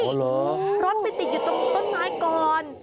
อ๋อเหรอโอ้โฮรถไปติดอยู่ต้นไม้ก่อน